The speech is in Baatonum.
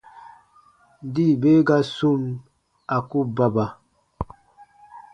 Dii be ga sum, a ku baba.